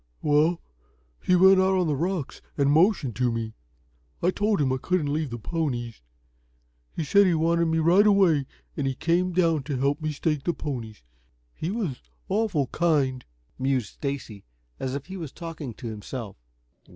"Well, he went out on the rocks and motioned to me. I told him I couldn't leave the ponies. He said you wanted me right away, and he came down to help me stake the ponies. He was awful kind," mused Stacy, as if talking to himself.